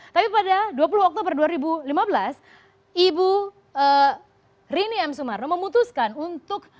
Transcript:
tapi pada dua puluh oktober dua ribu lima belas ibu rini m sumarno memutuskan untuk